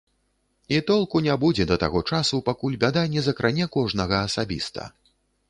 І толку не будзе да таго часу, пакуль бяда не закране кожнага асабіста.